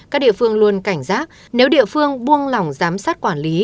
các địa phương luôn cảnh giác nếu địa phương buông lỏng giám sát quản lý